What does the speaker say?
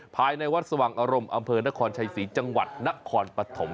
ภายในวัดสว่างอารมณ์อำเภอนครชัยศรีจังหวัดนครปฐม